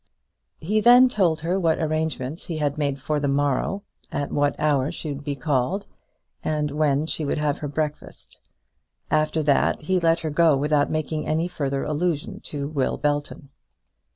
He then told her what arrangements he had made for the morrow, at what hour she would be called, and when she would have her breakfast. After that he let her go without making any further allusion to Will Belton.